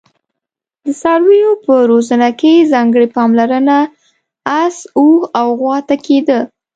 د څارویو په روزنه کې ځانګړي پاملرنه اس، اوښ او غوا ته کېده.